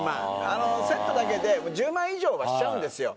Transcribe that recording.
あのセットだけで１０万以上はしちゃうんですよ